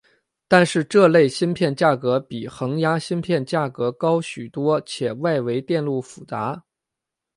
但是这类芯片价格比恒压芯片价格高许多且外围电路复杂。